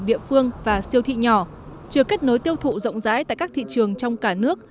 địa phương và siêu thị nhỏ chưa kết nối tiêu thụ rộng rãi tại các thị trường trong cả nước